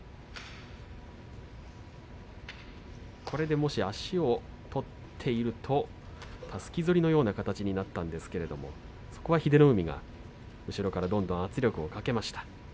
これでもし足を取っているとたすき反りのような形になったんですけれどそこは英乃海が後ろからどんどん圧力をかけました。